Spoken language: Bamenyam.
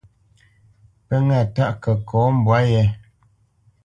Pə́ ŋâ tâʼ kəkɔ mbwǎ yé.